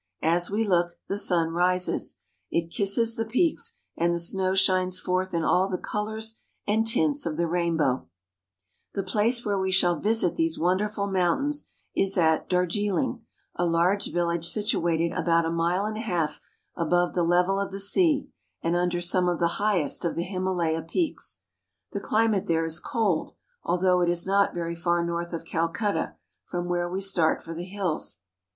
As we look, the sun rises. It kisses the peaks, and the snow shines forth in all the colors and tints of the rainbow. The place where we shall visit these wonderful mountains is at Darjiling (dar je'ling), a large village situated about a Three Little Girls of Darjiling, 300 IN THE HEART OF THE HIMALAYA MOUNTAINS mile and a half above the level of the sea and under some of the highest of the Himalaya peaks. The cUmate there is cold, although it is not very far north of Calcutta, from where we start for the hills.